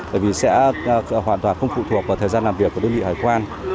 bởi vì sẽ hoàn toàn không phụ thuộc vào thời gian làm việc của đơn vị hải quan